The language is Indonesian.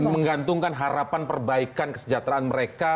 menggantungkan harapan perbaikan kesejahteraan mereka